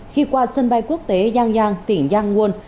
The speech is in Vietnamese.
khi qua sân bay quốc tế giang giang tỉnh giang nguồn